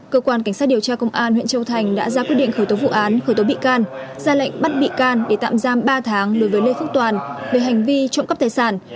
cơ quan cảnh sát điều tra công an huyện châu thành đã ra quyết định khởi tố vụ án khởi tố bị can ra lệnh bắt bị can để tạm giam ba tháng đối với lê phước toàn về hành vi trộm cắp tài sản